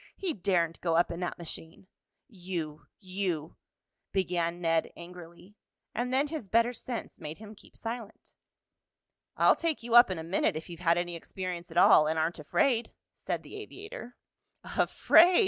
"He daren't go up in that machine." "You you " began Ned angrily, and then his better sense made him keep silent. "I'll take you up in a minute if you've had any experience at all, and aren't afraid," said the aviator. "Afraid!"